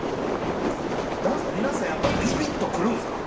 何ですか皆さんやっぱびびっとくるんですか？